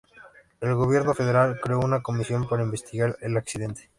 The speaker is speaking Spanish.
El gobierno federal creo una comisión para investigar el accidente.